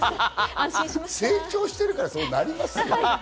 成長していますから、そうなりますよ。